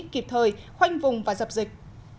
kịp thời khoanh vùng và dập dịch